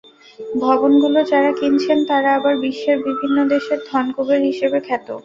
ভবনগুলো যাঁরা কিনছেন, তাঁরা আবার বিশ্বের বিভিন্ন দেশের ধনকুবের হিসেবে খ্যাত।